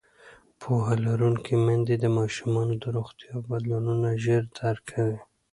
پوهه لرونکې میندې د ماشومانو د روغتیا بدلونونه ژر درک کوي.